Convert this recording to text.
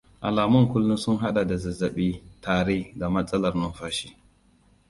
Alamun kullum sun hada da zazzabi, tari, da matsalar numfashi.